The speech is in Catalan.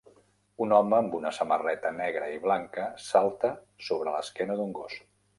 un home amb una samarreta negra i blanca salta sobre l'esquena d'un gos